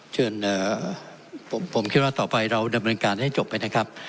เชิญผมคิดว่าต่อไปเราดำเนินการให้จบไปนะครับ